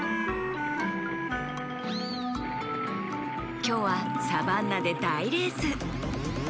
きょうはサバンナでだいレース！